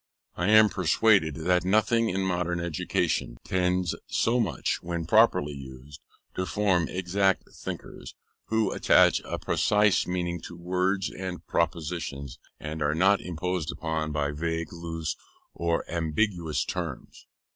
I am persuaded that nothing, in modern education, tends so much, when properly used, to form exact thinkers, who attach a precise meaning to words and propositions, and are not imposed on by vague, loose, or ambiguous terms.